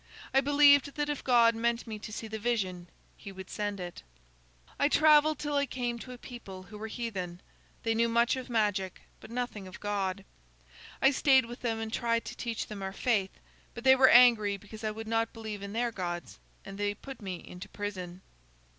I believed that if God meant me to see the vision he would send it. "I traveled till I came to a people who were heathen. They knew much of magic, but nothing of God. I stayed with them, and tried to teach them our faith, but they were angry because I would not believe in their gods, and they put me into prison.